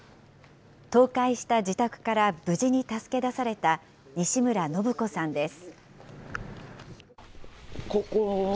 倒壊した自宅から無事に助け出された西村信子さんです。